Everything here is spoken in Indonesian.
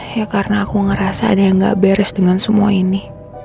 ya karena aku ngerasa ada yang gak beres dengan semua ini